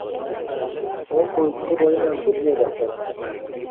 Homebozys ko koinam komie kasari